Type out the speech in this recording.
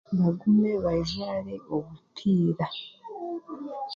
Bagume bajwaare obupiira.